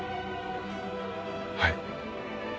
はい。